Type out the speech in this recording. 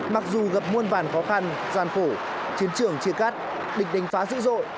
mặc dù gặp muôn vàn khó khăn gian khổ chiến trường chia cắt địch đánh phá dữ dội